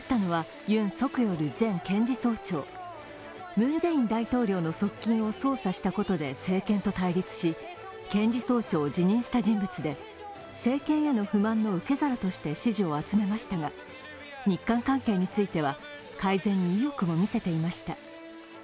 ムン・ジェイン大統領の側近を捜査したことで政権と対立し検事総長を辞任した人物で政権への不満の受け皿として支持を集めましたが、日韓関係については改善に意欲を見せていました。